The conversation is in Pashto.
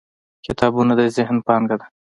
• کتابونه د ذهن پانګه ده.